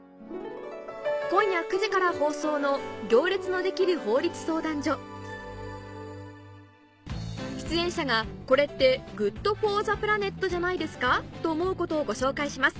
今夜９時から放送の出演者が「これってＧｏｏｄＦｏｒｔｈｅＰｌａｎｅｔじゃないですか？」と思うことをご紹介します